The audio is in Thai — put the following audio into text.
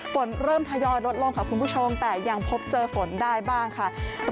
ฝนเริ่มทยอยลดลงค่ะคุณผู้ชมแต่ยังพบเจอฝนได้บ้างค่ะ